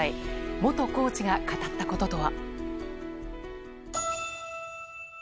元コーチが語ったこととは。